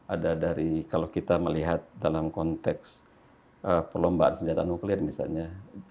ada dari kalau kita melihat dalam konteks perlombaan senjata nuklir misalnya